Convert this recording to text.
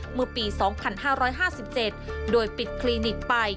เมื่อปี๒๕๕๗โดยปิดคลินิกไป